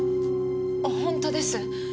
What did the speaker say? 本当です。